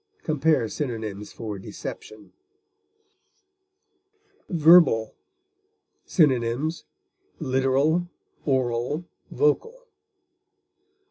Compare synonyms for DECEPTION. VERBAL. Synonyms: literal, oral, vocal.